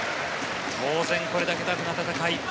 当然これだけタフな戦い。